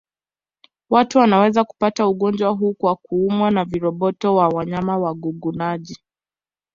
Watu wanaweza kupata ugonjwa huu kwa kuumwa na viroboto wa wanyama wagugunaji